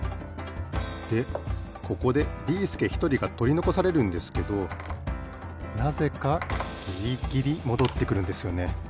でここでビーすけひとりがとりのこされるんですけどなぜかギリギリもどってくるんですよね。